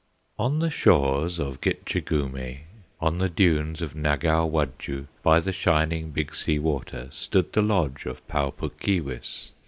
On the shores of Gitche Gumee, On the dunes of Nagow Wudjoo, By the shining Big Sea Water Stood the lodge of Pau Puk Keewis.